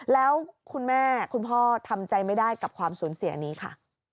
แล้วคุณแม่คุณพ่อทำใจไม่ได้กับความสูญเสียนี้ค่ะ